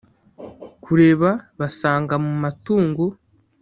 Kureba basanga mu matungo